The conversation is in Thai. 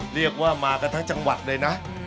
เรียกว่ามากันทั้งจังหวัดเลยนะ